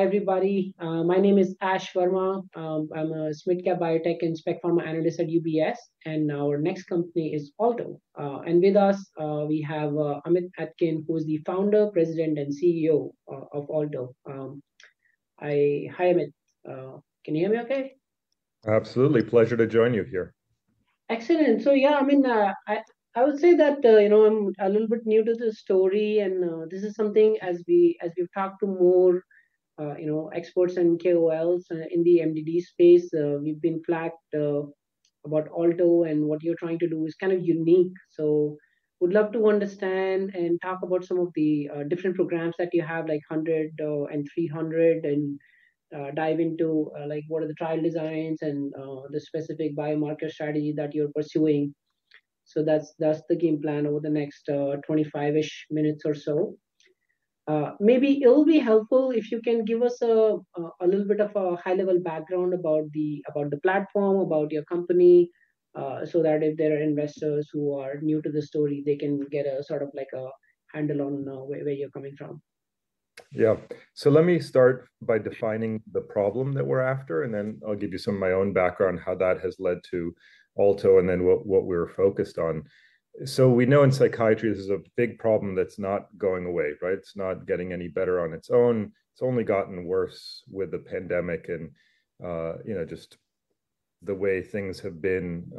Hi everybody, my name is Ash Verma. I'm a Small/Mid Cap Biotech and Specialty Pharma Analyst at UBS, and our next company is Alto. With us, we have Amit Etkin, who's the founder, president, and CEO, of Alto. I, hi Amit, can you hear me okay? Absolutely, pleasure to join you here. Excellent, so yeah, I mean, I would say that, you know, I'm a little bit new to this story, and this is something as we've talked to more, you know, experts and KOLs in the MDD space, we've been flagged about Alto and what you're trying to do is kind of unique, so would love to understand and talk about some of the different programs that you have, like 100 and 300, and dive into, like, what are the trial designs and the specific biomarker strategy that you're pursuing. So that's the game plan over the next 25-ish minutes or so. Maybe it'll be helpful if you can give us a little bit of a high-level background about the platform, about your company, so that if there are investors who are new to the story they can get a sort of like a handle on where you're coming from. Yeah, so let me start by defining the problem that we're after, and then I'll give you some of my own background, how that has led to Alto, and then what we were focused on. So we know in psychiatry this is a big problem that's not going away, right? It's not getting any better on its own. It's only gotten worse with the pandemic and, you know, just the way things have been,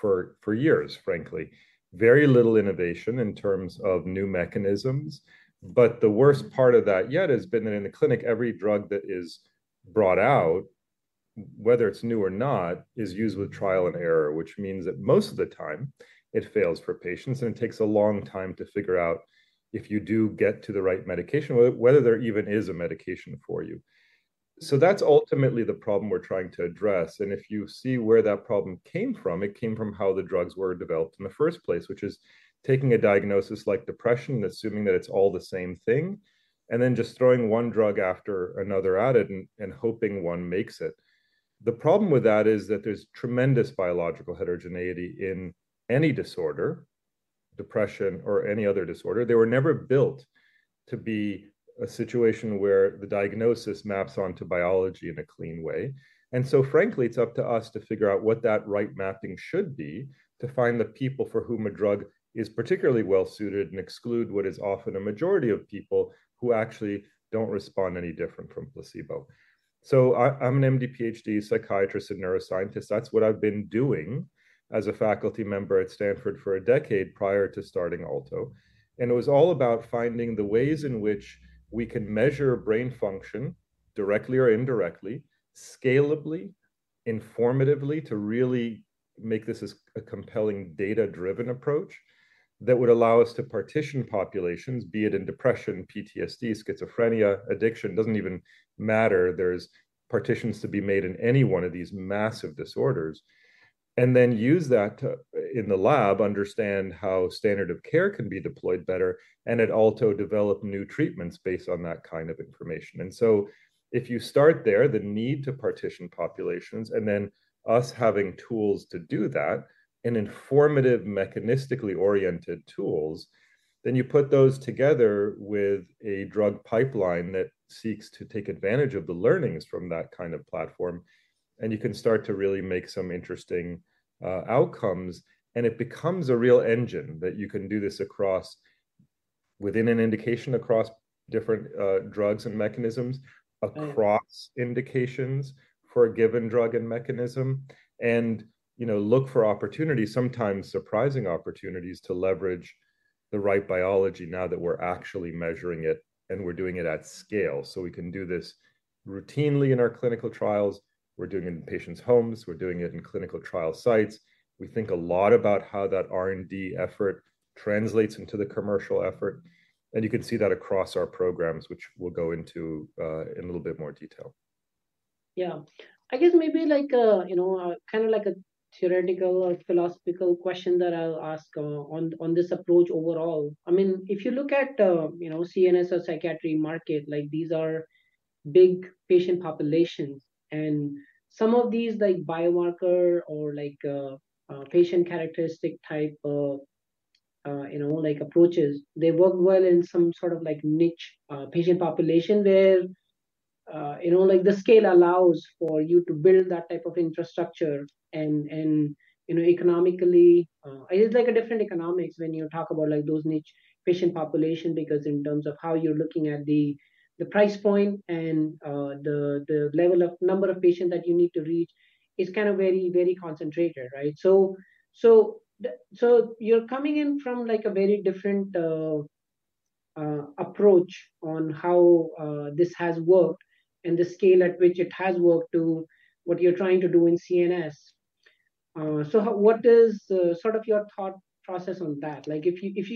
for years, frankly. Very little innovation in terms of new mechanisms. But the worst part of that yet has been that in the clinic every drug that is brought out, whether it's new or not, is used with trial and error, which means that most of the time it fails for patients and it takes a long time to figure out if you do get to the right medication, whether, whether there even is a medication for you. So that's ultimately the problem we're trying to address, and if you see where that problem came from, it came from how the drugs were developed in the first place, which is taking a diagnosis like depression and assuming that it's all the same thing, and then just throwing one drug after another at it and, and hoping one makes it. The problem with that is that there's tremendous biological heterogeneity in any disorder, depression or any other disorder. They were never built to be a situation where the diagnosis maps onto biology in a clean way. And so frankly, it's up to us to figure out what that right mapping should be to find the people for whom a drug is particularly well-suited and exclude what is often a majority of people who actually don't respond any different from placebo. So I'm an MD-PhD psychiatrist and neuroscientist. That's what I've been doing as a faculty member at Stanford for a decade prior to starting Alto. And it was all about finding the ways in which we can measure brain function directly or indirectly, scalably, informatively to really make this a compelling data-driven approach that would allow us to partition populations, be it in depression, PTSD, schizophrenia, addiction, doesn't even matter. There's partitions to be made in any one of these massive disorders. And then use that to, in the lab, understand how standard of care can be deployed better, and at Alto develop new treatments based on that kind of information. And so if you start there, the need to partition populations, and then us having tools to do that, an informative, mechanistically oriented tools, then you put those together with a drug pipeline that seeks to take advantage of the learnings from that kind of platform. And you can start to really make some interesting outcomes, and it becomes a real engine that you can do this across within an indication across different drugs and mechanisms, across indications for a given drug and mechanism, and, you know, look for opportunities, sometimes surprising opportunities to leverage the right biology now that we're actually measuring it and we're doing it at scale. So we can do this routinely in our clinical trials. We're doing it in patients' homes. We're doing it in clinical trial sites. We think a lot about how that R&D effort translates into the commercial effort. You can see that across our programs, which we'll go into, in a little bit more detail. Yeah, I guess maybe like, you know, kind of like a theoretical or philosophical question that I'll ask, on this approach overall. I mean, if you look at, you know, CNS or psychiatry market, like these are big patient populations. Some of these, like, biomarker or like, patient characteristic type, you know, like approaches, they work well in some sort of like niche, patient population where, you know, like the scale allows for you to build that type of infrastructure and, you know, economically, it's like a different economics when you talk about like those niche patient population because in terms of how you're looking at the price point and, the level of number of patients that you need to reach is kind of very, very concentrated, right? So, you're coming in from like a very different approach on how this has worked and the scale at which it has worked to what you're trying to do in CNS. So, how—what is the sort of your thought process on that? Like, if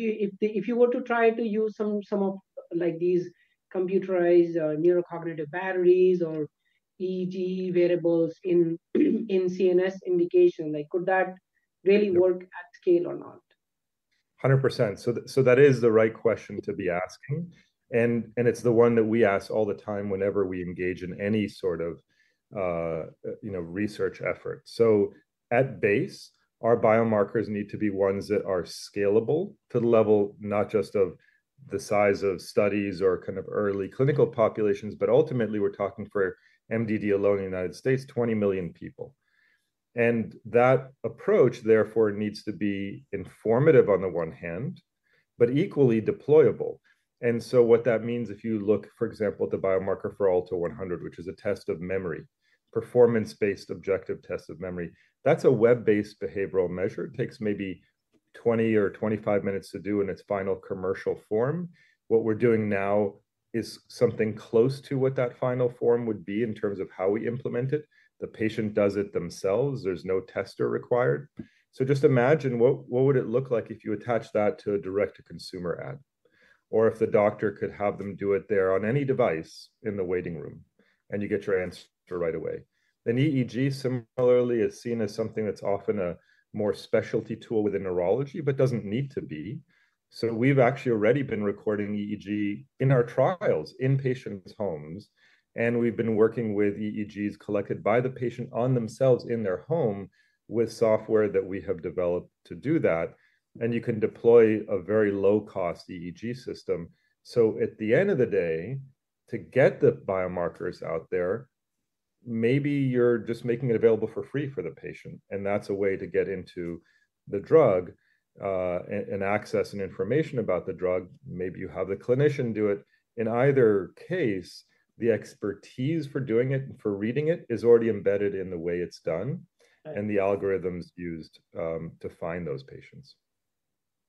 you were to try to use some of like these computerized neurocognitive batteries or EEG variables in CNS indication, like could that really work at scale or not? 100%. So that is the right question to be asking. And it's the one that we ask all the time whenever we engage in any sort of, you know, research effort. So at base, our biomarkers need to be ones that are scalable to the level not just of the size of studies or kind of early clinical populations, but ultimately we're talking for MDD alone in the United States, 20 million people. And that approach therefore needs to be informative on the one hand, but equally deployable. And so what that means if you look, for example, at the biomarker for ALTO-100, which is a test of memory, performance-based objective test of memory, that's a web-based behavioral measure. It takes maybe 20 or 25 minutes to do in its final commercial form. What we're doing now is something close to what that final form would be in terms of how we implement it. The patient does it themselves. There's no tester required. So just imagine what would it look like if you attach that to a direct-to-consumer ad? Or if the doctor could have them do it there on any device in the waiting room and you get your answer right away. An EEG similarly is seen as something that's often a more specialty tool within neurology, but doesn't need to be. So we've actually already been recording EEG in our trials in patients' homes. And we've been working with EEGs collected by the patient on themselves in their home with software that we have developed to do that. And you can deploy a very low-cost EEG system. At the end of the day, to get the biomarkers out there, maybe you're just making it available for free for the patient. That's a way to get into the drug, and access and information about the drug. Maybe you have the clinician do it. In either case, the expertise for doing it and for reading it is already embedded in the way it's done and the algorithms used, to find those patients.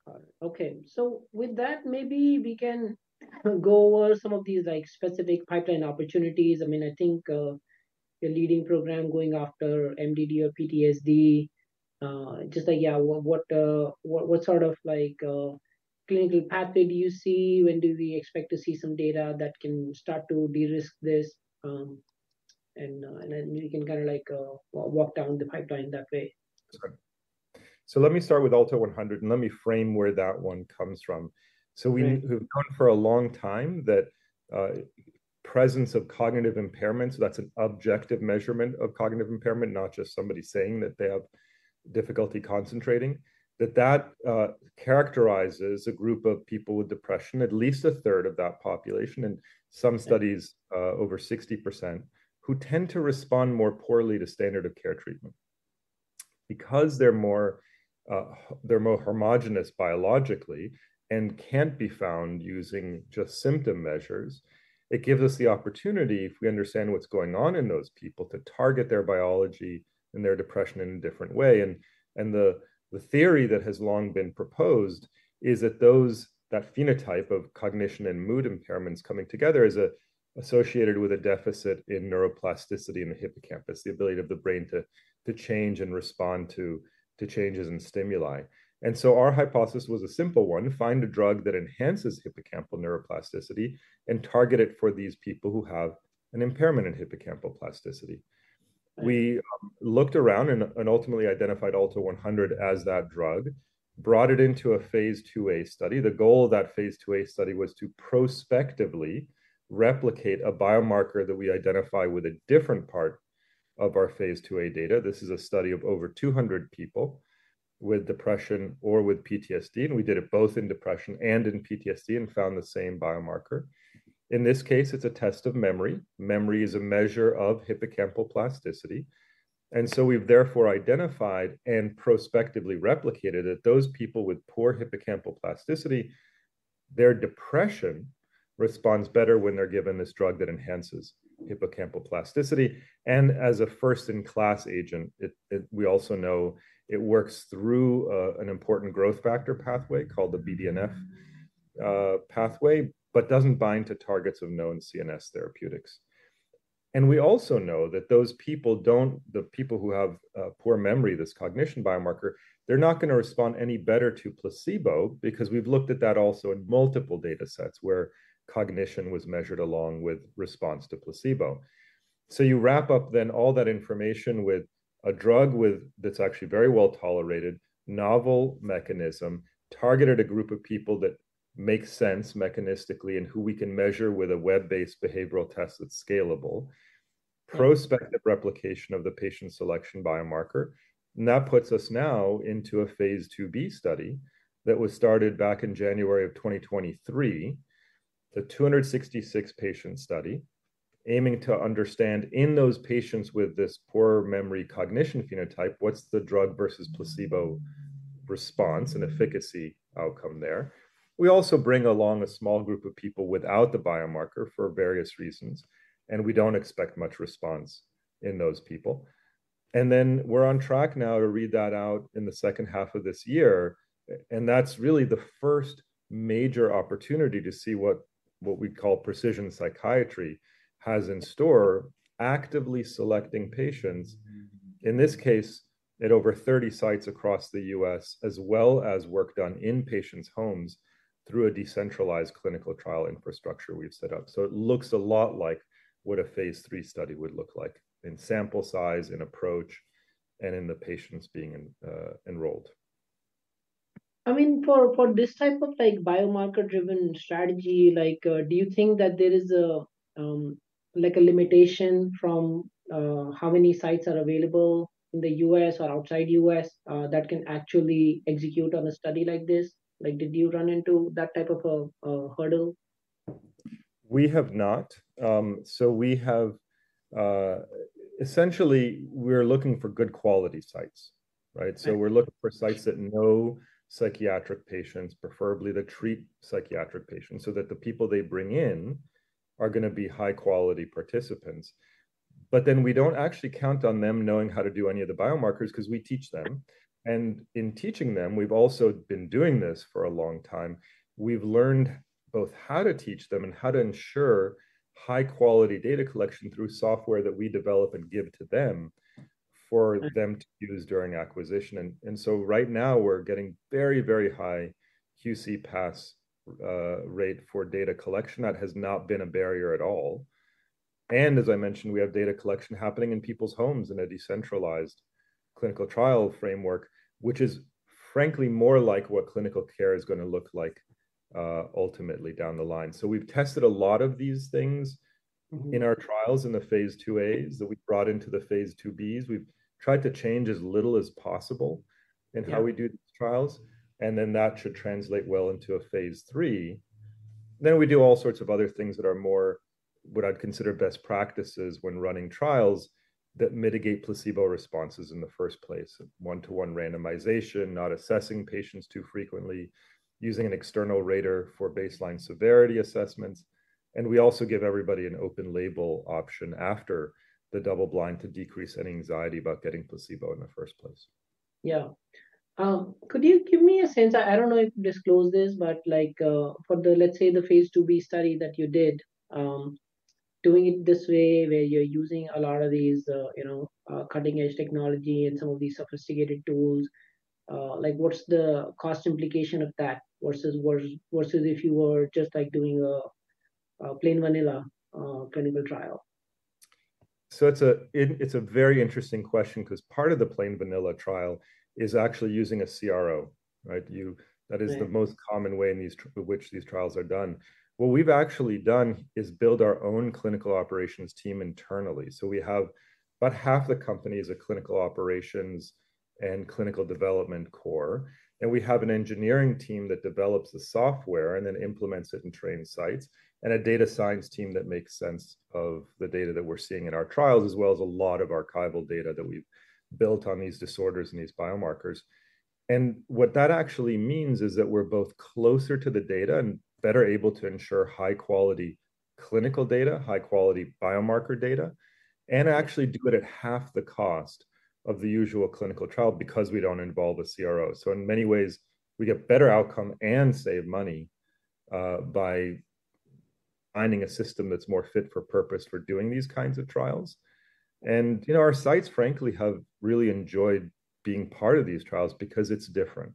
Got it. Okay, so with that, maybe we can go over some of these, like, specific pipeline opportunities. I mean, I think, your leading program going after MDD or PTSD, just like, yeah, what sort of like, clinical pathway do you see? When do we expect to see some data that can start to de-risk this? And then we can kind of like, walk down the pipeline that way. That's good. So let me start with ALTO-100 and let me frame where that one comes from. So we've known for a long time that, presence of cognitive impairment, so that's an objective measurement of cognitive impairment, not just somebody saying that they have difficulty concentrating, that that, characterizes a group of people with depression, at least a third of that population, and some studies, over 60%, who tend to respond more poorly to standard of care treatment. Because they're more, they're more homogeneous biologically and can't be found using just symptom measures, it gives us the opportunity, if we understand what's going on in those people, to target their biology and their depression in a different way. And the theory that has long been proposed is that that phenotype of cognition and mood impairments coming together is associated with a deficit in neuroplasticity in the hippocampus, the ability of the brain to change and respond to changes in stimuli. And so our hypothesis was a simple one: find a drug that enhances hippocampal neuroplasticity and target it for these people who have an impairment in hippocampal plasticity. We looked around and ultimately identified ALTO-100 as that drug, brought it into a Phase 2a study. The goal of that Phase 2a study was to prospectively replicate a biomarker that we identify with a different part of our Phase 2a data. This is a study of over 200 people with depression or with PTSD, and we did it both in depression and in PTSD and found the same biomarker. In this case, it's a test of memory. Memory is a measure of hippocampal plasticity. And so we've therefore identified and prospectively replicated that those people with poor hippocampal plasticity, their depression responds better when they're given this drug that enhances hippocampal plasticity. And as a first-in-class agent, it—we also know it works through an important growth factor pathway called the BDNF pathway, but doesn't bind to targets of known CNS therapeutics. And we also know that those people don't—the people who have poor memory, this cognition biomarker, they're not going to respond any better to placebo because we've looked at that also in multiple data sets where cognition was measured along with response to placebo. So you wrap up then all that information with a drug that's actually very well tolerated, novel mechanism, targeted a group of people that makes sense mechanistically and who we can measure with a web-based behavioral test that's scalable. Prospective replication of the patient selection biomarker. That puts us now into a Phase 2b study that was started back in January of 2023. The 266-patient study, aiming to understand in those patients with this poor memory cognition phenotype what's the drug versus placebo response and efficacy outcome there. We also bring along a small group of people without the biomarker for various reasons. We don't expect much response in those people. Then we're on track now to read that out in the second half of this year. That's really the first major opportunity to see what what we'd call precision psychiatry has in store, actively selecting patients, in this case, at over 30 sites across the U.S., as well as work done in patients' homes through a decentralized clinical trial infrastructure we've set up. It looks a lot like what a phase three study would look like in sample size, in approach, and in the patients being enrolled. I mean, for this type of like biomarker-driven strategy, like do you think that there is a, like a limitation from how many sites are available in the US or outside the US that can actually execute on a study like this? Like did you run into that type of a hurdle? We have not. So we have, essentially, we're looking for good quality sites. Right? So we're looking for sites that know psychiatric patients, preferably that treat psychiatric patients, so that the people they bring in are going to be high-quality participants. But then we don't actually count on them knowing how to do any of the biomarkers because we teach them. And in teaching them, we've also been doing this for a long time. We've learned both how to teach them and how to ensure high-quality data collection through software that we develop and give to them for them to use during acquisition. And so right now we're getting very, very high QC pass rate for data collection. That has not been a barrier at all. And as I mentioned, we have data collection happening in people's homes in a decentralized clinical trial framework, which is frankly more like what clinical care is going to look like, ultimately down the line. So we've tested a lot of these things in our trials in the phase 2as that we brought into the phase 2Bs. We've tried to change as little as possible in how we do these trials. And then that should translate well into a phase three. Then we do all sorts of other things that are more what I'd consider best practices when running trials that mitigate placebo responses in the first place, 1:1 randomization, not assessing patients too frequently, using an external rater for baseline severity assessments. And we also give everybody an open label option after the double blind to decrease any anxiety about getting placebo in the first place. Yeah. Could you give me a sense? I don't know if you disclose this, but like, for the, let's say, the phase 2bstudy that you did, doing it this way where you're using a lot of these, you know, cutting-edge technology and some of these sophisticated tools, like what's the cost implication of that versus versus if you were just like doing a, plain vanilla, clinical trial? So it's a very interesting question because part of the plain vanilla trial is actually using a CRO, right? You, that is the most common way in which these trials are done. What we've actually done is build our own clinical operations team internally. So we have about half the company is a clinical operations and clinical development core. And we have an engineering team that develops the software and then implements it and trains sites. And a data science team that makes sense of the data that we're seeing in our trials, as well as a lot of archival data that we've built on these disorders and these biomarkers. What that actually means is that we're both closer to the data and better able to ensure high-quality clinical data, high-quality biomarker data, and actually do it at half the cost of the usual clinical trial because we don't involve a CRO. So in many ways, we get better outcome and save money, by finding a system that's more fit for purpose for doing these kinds of trials. And, you know, our sites, frankly, have really enjoyed being part of these trials because it's different.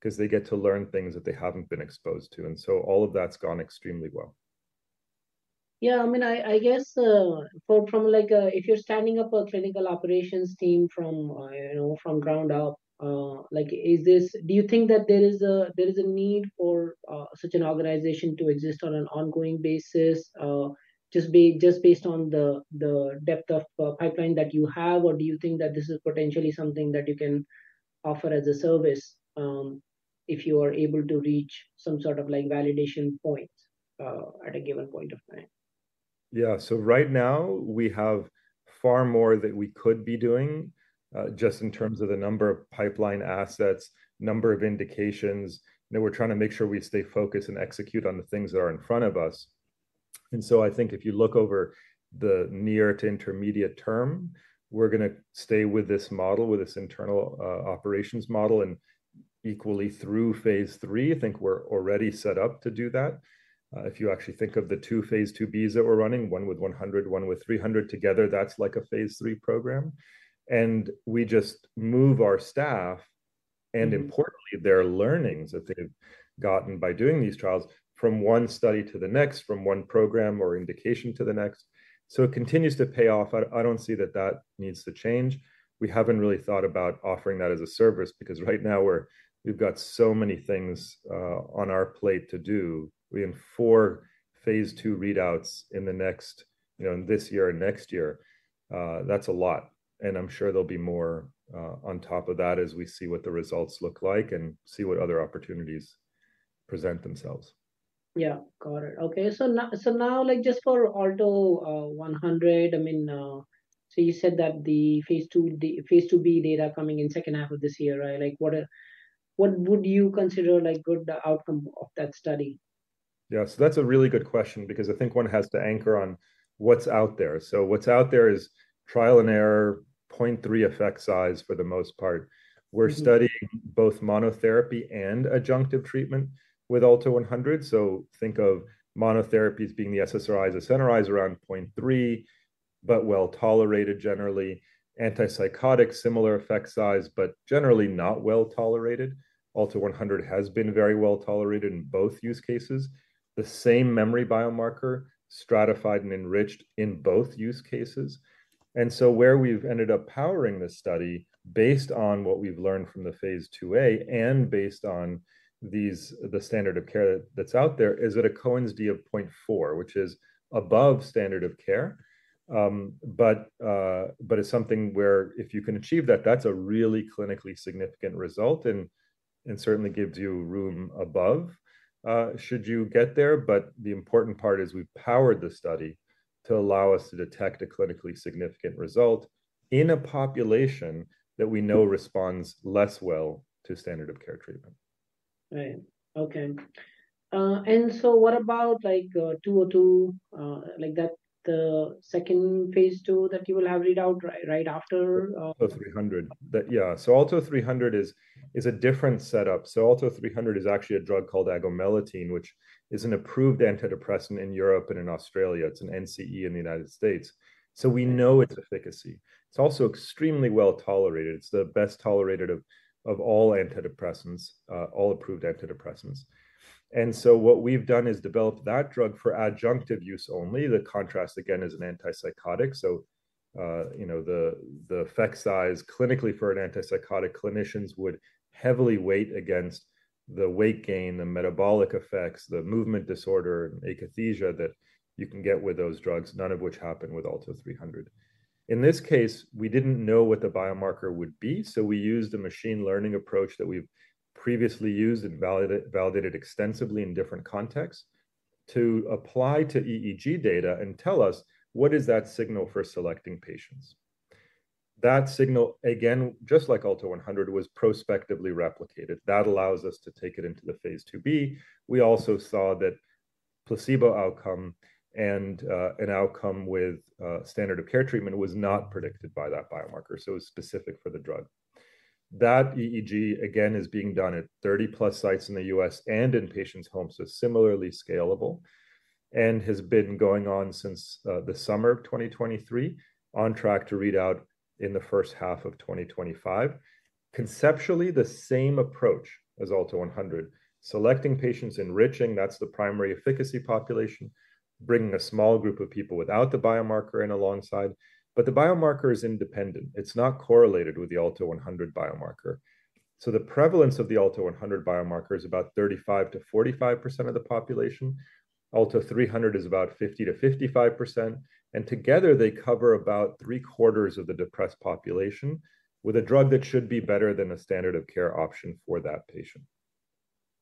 Because they get to learn things that they haven't been exposed to. And so all of that's gone extremely well. Yeah, I mean, I guess, from like, if you're standing up a clinical operations team from, you know, from ground up, like is this do you think that there is a need for such an organization to exist on an ongoing basis, just based on the depth of pipeline that you have? Or do you think that this is potentially something that you can offer as a service, if you are able to reach some sort of like validation point, at a given point of time? Yeah, so right now we have far more that we could be doing, just in terms of the number of pipeline assets, number of indications. You know, we're trying to make sure we stay focused and execute on the things that are in front of us. And so I think if you look over the near to intermediate term, we're going to stay with this model, with this internal, operations model. And equally through phase three, I think we're already set up to do that. If you actually think of the two phase 2Bs that we're running, one with 100, one with 300 together, that's like a phase three program. And we just move our staff. And importantly, their learnings that they've gotten by doing these trials from one study to the next, from one program or indication to the next. So it continues to pay off. I don't see that that needs to change. We haven't really thought about offering that as a service because right now we've got so many things on our plate to do. We have four phase two readouts in the next, you know, in this year and next year. That's a lot. I'm sure there'll be more on top of that as we see what the results look like and see what other opportunities present themselves. Yeah, got it. Okay, so now like just for ALTO-100, I mean, so you said that the phase 2b data coming in second half of this year, right? Like what would you consider like good outcome of that study? Yeah, so that's a really good question because I think one has to anchor on what's out there. So what's out there is trial and error, 0.3 effect size for the most part. We're studying both monotherapy and adjunctive treatment with ALTO-100. So think of monotherapies being the SSRIs, the SNRIs around 0.3. But well tolerated generally. Antipsychotics, similar effect size, but generally not well tolerated. ALTO-100 has been very well tolerated in both use cases. The same memory biomarker, stratified and enriched in both use cases. And so where we've ended up powering this study based on what we've learned from the phase 2A and based on these the standard of care that that's out there is at a Cohen's d of 0.4, which is above standard of care. But it's something where if you can achieve that, that's a really clinically significant result and certainly gives you room above, should you get there. But the important part is we've powered the study to allow us to detect a clinically significant result in a population that we know responds less well to standard of care treatment. Right. Okay. And so what about like 202, like that the second phase two that you will have readout right after? ALTO-300. That yeah, so ALTO-300 is a different setup. So ALTO-300 is actually a drug called agomelatine, which is an approved antidepressant in Europe and in Australia. It's an NCE in the United States. So we know its efficacy. It's also extremely well tolerated. It's the best tolerated of all antidepressants, all approved antidepressants. And so what we've done is developed that drug for adjunctive use only. The contrast again is an antipsychotic. So, you know, the effect size clinically for an antipsychotic, clinicians would heavily weight against the weight gain, the metabolic effects, the movement disorder, and akathisia that you can get with those drugs, none of which happen with ALTO-300. In this case, we didn't know what the biomarker would be, so we used a machine learning approach that we've previously used and validated extensively in different contexts. To apply to EEG data and tell us what is that signal for selecting patients. That signal, again, just like ALTO-100, was prospectively replicated. That allows us to take it into the phase 2b. We also saw that placebo outcome and an outcome with standard of care treatment was not predicted by that biomarker, so it was specific for the drug. That EEG, again, is being done at 30+ sites in the U.S. and in patients' homes, so similarly scalable. Has been going on since the summer of 2023. On track to readout in the first half of 2025. Conceptually, the same approach as ALTO-100. Selecting patients, enriching, that's the primary efficacy population. Bringing a small group of people without the biomarker in alongside. But the biomarker is independent. It's not correlated with the ALTO-100 biomarker. The prevalence of the ALTO-100 biomarker is about 35%-45% of the population. ALTO-300 is about 50%-55%. Together they cover about three-quarters of the depressed population. With a drug that should be better than a standard of care option for that patient.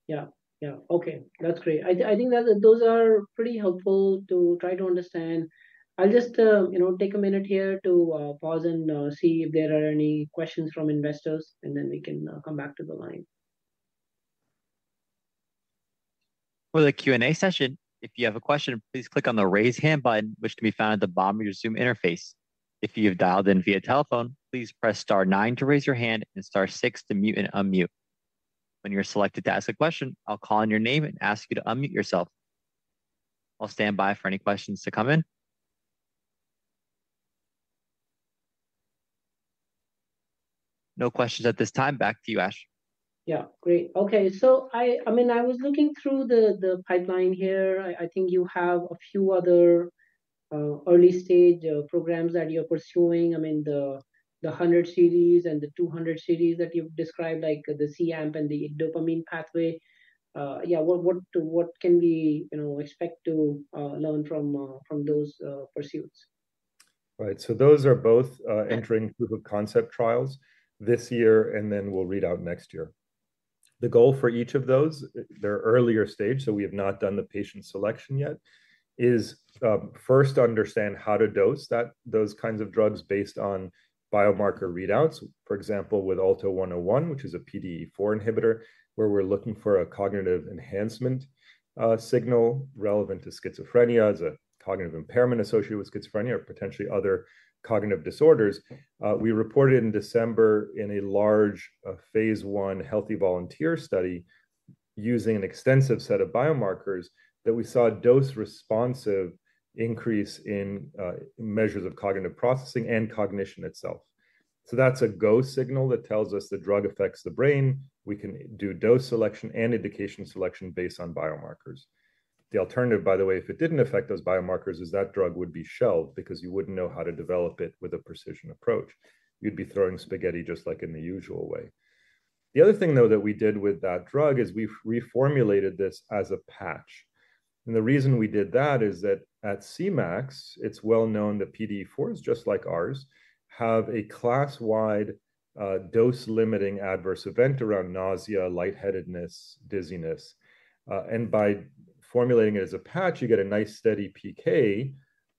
Yeah, yeah, okay, that's great. I think that those are pretty helpful to try to understand. I'll just, you know, take a minute here to pause and see if there are any questions from investors, and then we can come back to the line. For the Q&A session, if you have a question, please click on the raise hand button, which can be found at the bottom of your Zoom interface. If you have dialed in via telephone, please press star 9 to raise your hand and star 6 to mute and unmute. When you're selected to ask a question, I'll call on your name and ask you to unmute yourself. I'll stand by for any questions to come in. No questions at this time. Back to you, Ash. Yeah, great. Okay, so I mean, I was looking through the pipeline here. I think you have a few other early stage programs that you're pursuing. I mean, the 100 series and the 200 series that you've described, like the cAMP and the dopamine pathway. Yeah, what can we, you know, expect to learn from those pursuits? Right, so those are both entering proof of concept trials this year and then will readout next year. The goal for each of those, they're earlier stage, so we have not done the patient selection yet. Is first understand how to dose those kinds of drugs based on biomarker readouts. For example, with ALTO-101, which is a PDE4 inhibitor, where we're looking for a cognitive enhancement signal relevant to schizophrenia, as a cognitive impairment associated with schizophrenia or potentially other cognitive disorders. We reported in December in a large phase one healthy volunteer study. Using an extensive set of biomarkers that we saw a dose responsive increase in measures of cognitive processing and cognition itself. So that's a go signal that tells us the drug affects the brain. We can do dose selection and indication selection based on biomarkers. The alternative, by the way, if it didn't affect those biomarkers, is that drug would be shelved because you wouldn't know how to develop it with a precision approach. You'd be throwing spaghetti just like in the usual way. The other thing, though, that we did with that drug is we reformulated this as a patch. And the reason we did that is that at Cmax, it's well known that PDE4s, just like ours, have a class-wide dose limiting adverse event around nausea, lightheadedness, dizziness. And by formulating it as a patch, you get a nice steady PK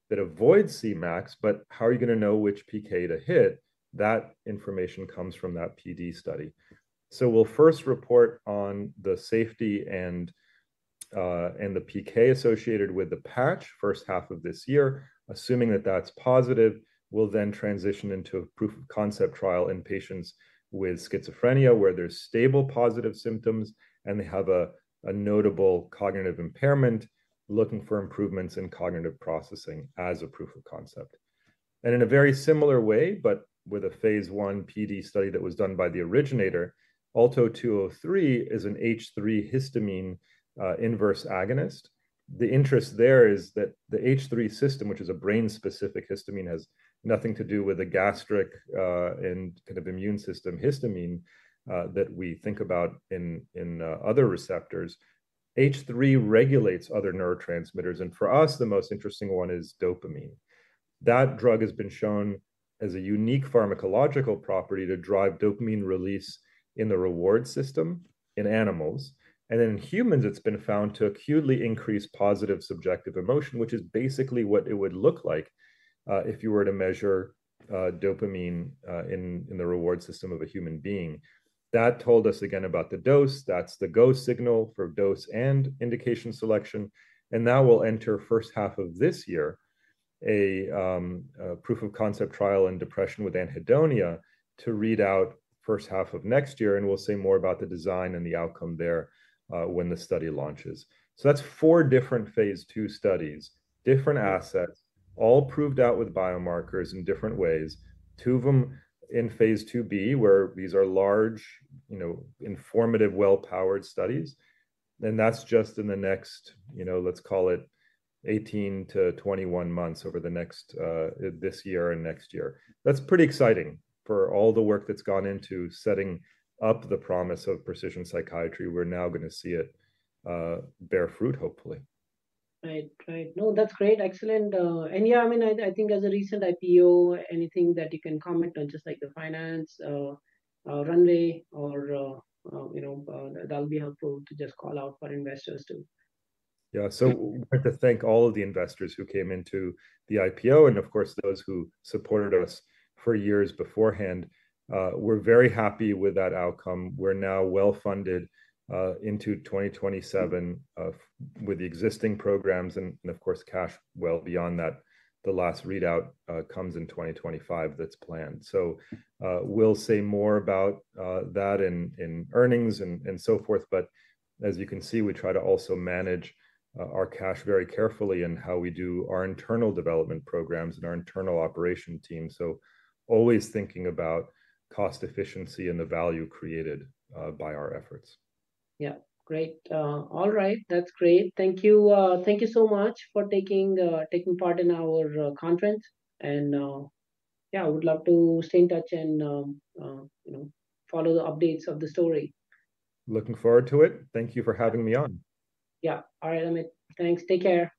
that avoids Cmax, but how are you going to know which PK to hit? That information comes from that PD study. So we'll first report on the safety and the PK associated with the patch first half of this year, assuming that that's positive. We'll then transition into a proof of concept trial in patients with schizophrenia where there's stable positive symptoms and they have a notable cognitive impairment. Looking for improvements in cognitive processing as a proof of concept. In a very similar way, but with a phase one PD study that was done by the originator, ALTO-203 is an H3 histamine inverse agonist. The interest there is that the H3 system, which is a brain-specific histamine, has nothing to do with the gastric and kind of immune system histamine that we think about in other receptors. H3 regulates other neurotransmitters, and for us, the most interesting one is dopamine. That drug has been shown as a unique pharmacological property to drive dopamine release in the reward system in animals. Then in humans, it's been found to acutely increase positive subjective emotion, which is basically what it would look like. If you were to measure dopamine in the reward system of a human being. That told us again about the dose. That's the go signal for dose and indication selection. Now we'll enter first half of this year. A proof of concept trial in depression with anhedonia to readout first half of next year, and we'll say more about the design and the outcome there when the study launches. So that's 4 different phase two studies, different assets, all proved out with biomarkers in different ways. two of them in phase 2B, where these are large, you know, informative, well-powered studies. And that's just in the next, you know, let's call it 18-21 months over the next this year and next year. That's pretty exciting for all the work that's gone into setting up the promise of precision psychiatry. We're now going to see it bear fruit, hopefully. Right, right. No, that's great. Excellent. And yeah, I mean, I think as a recent IPO, anything that you can comment on, just like the finance runway or, you know, that'll be helpful to just call out for investors too. Yeah, so we wanted to thank all of the investors who came into the IPO and of course those who supported us for years beforehand. We're very happy with that outcome. We're now well funded into 2027 with the existing programs and of course cash well beyond that. The last readout comes in 2025 that's planned. So we'll say more about that in earnings and so forth. But as you can see, we try to also manage our cash very carefully and how we do our internal development programs and our internal operation team. So always thinking about cost efficiency and the value created by our efforts. Yeah, great. All right, that's great. Thank you. Thank you so much for taking part in our conference. And yeah, I would love to stay in touch and, you know, follow the updates of the story. Looking forward to it. Thank you for having me on. Yeah, all right, Amit. Thanks. Take care. Bye.